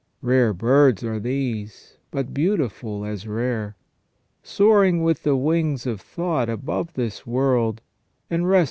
Rare birds are these, but beautiful as rare, soaring with the wings of thought above this world, and resting • S.